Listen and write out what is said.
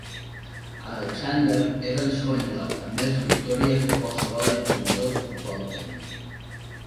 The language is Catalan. Alexander és en segon lloc amb més victòries que qualsevol entrenador de futbol tècnic.